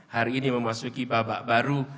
hari ini memasuki babak baru